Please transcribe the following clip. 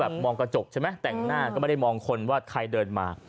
มองกระจกใช่ไหมแต่งหน้าก็ไม่ได้มองคนว่าใครเดินมา